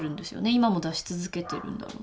今も出し続けてるんだろうな。